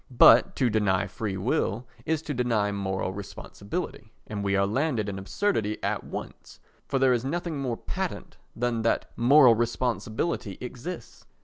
But to deny free will is to deny moral responsibility, and we are landed in absurdity at once—for there is nothing more patent than that moral responsibility exists.